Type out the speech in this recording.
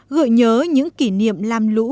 gợi nhớ những kỷ niệm lam lũ